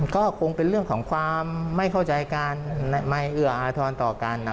ก็คงเป็นเรื่องของความไม่เข้าใจกันไม่เอื้ออาทรต่อกัน